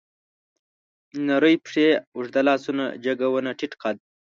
نرۍ پښې، اوږده لاسونه، جګه ونه، ټيټ قد